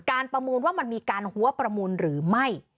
ประมูลว่ามันมีการหัวประมูลหรือไม่